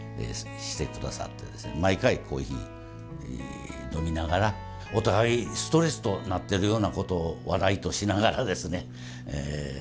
毎回コーヒー飲みながらお互いストレスとなってるようなことを笑いとしながらですね嘆き合うと。